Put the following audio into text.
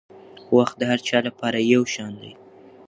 وخت د هر چا لپاره یو شان دی.